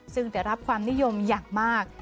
ซึ่งได้รับความนิยมอย่างมาก